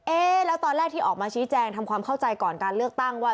แล้วตอนแรกที่ออกมาชี้แจงทำความเข้าใจก่อนการเลือกตั้งว่า